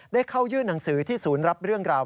ได้เข้ายื่นหนังสือที่ศูนย์รับเรื่องราว